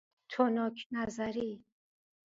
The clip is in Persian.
تنک نظری